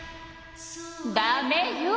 ダメよ！